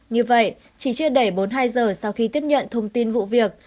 như vậy chỉ chưa đầy bốn mươi hai giờ sau khi tiếp nhận thông tin vụ việc